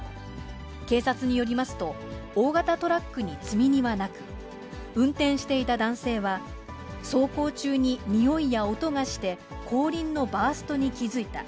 警察によりますと、大型トラックに積み荷はなく、運転していた男性は、走行中に臭いや音がして、後輪のバーストに気付いた。